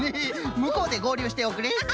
むこうでごうりゅうしておくれ！